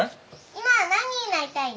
今は何になりたいの？